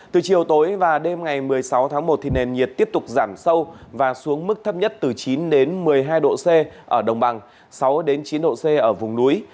từ chiều tối và đêm ngày một mươi sáu tháng một nền nhiệt tiếp tục giảm sâu và xuống mức thấp nhất từ chín một mươi hai độ c ở đồng bằng sáu chín độ c ở vùng núi